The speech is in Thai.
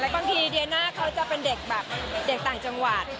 บางทีเดียน่าเขาจะเป็นเด็กแบบเด็กต่างจังหวัด